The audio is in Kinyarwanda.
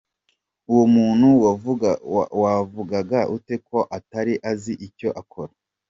Uwo muntu wavuga ute ko atari azi icyo akora ?